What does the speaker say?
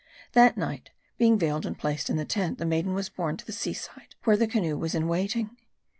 That night, being veiled and placed in the tent, the maiden was borne to the sea side, where the canoe was in waiting.